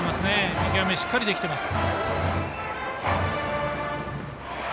見極めがしっかりできています。